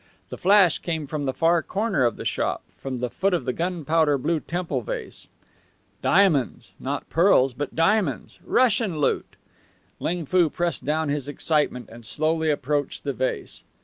The flash came from the far corner of the shop, from the foot of the gunpowder blue temple vase. Diamonds not pearls but diamonds! Russian loot! Ling Foo pressed down his excitement and slowly approached the vase.